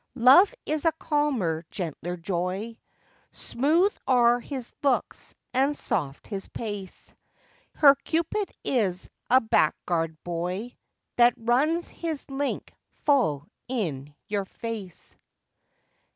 Love is a calmer, gentler joy, Smooth are his looks and soft his pace; Her Cupid is a blackguard boy That runs his link full in your face.